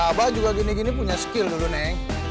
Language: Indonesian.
abah juga gini gini punya skill dulu nih